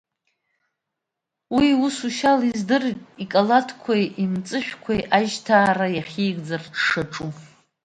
Уи иусушьала издырит икалаҭқәеи имҵышәқәеи ажьҭаара иахьигӡарц дшаҿу.